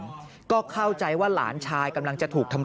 ผมก็ห่าไปถามเขาว่าพูดอะไร